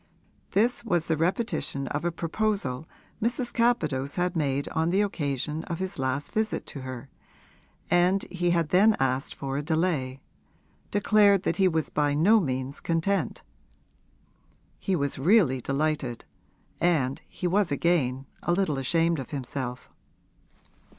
This was the repetition of a proposal Mrs. Capadose had made on the occasion of his last visit to her, and he had then asked for a delay declared that he was by no means content. He was really delighted, and he was again a little ashamed of himself.